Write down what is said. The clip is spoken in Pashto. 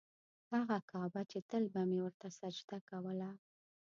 هغه کعبه چې تل به مې ورته سجده کوله.